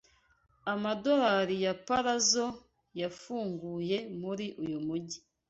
amadolari ya Palazo yafunguye muri uyu mujyi